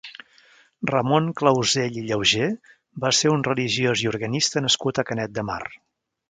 Ramon Clausell i Llauger va ser un religiós i organista nascut a Canet de Mar.